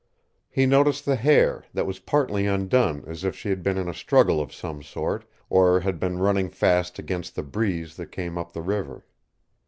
He noticed the hair, that was partly undone as if she had been in a struggle of some sort, or had been running fast against the breeze that came up the river.